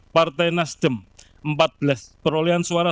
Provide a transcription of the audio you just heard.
partai nasdem perolehan suara